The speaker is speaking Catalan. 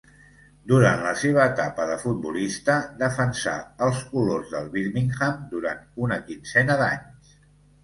Durant la seva etapa de futbolista defensà els colors del Birmingham durant una quinzena d'anys.